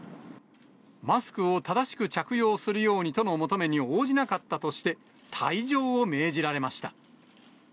マスクを正しく着用するようにとの求めに応じなかったとして、退場を命じられました。